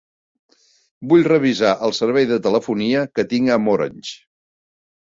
Vull revisar el servei de telefonia que tinc amb Orange.